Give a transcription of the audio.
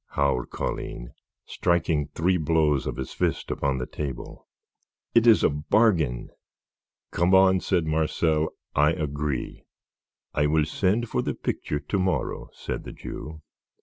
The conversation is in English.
howled Colline, striking three blows of his fist upon the table. "It is a bargain." "Come on," said Marcel. "I agree." "I will send for the picture to morrow," said the Jew.